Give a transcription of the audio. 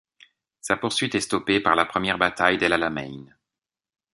Sa poursuite est stoppée par la Première bataille d'El Alamein.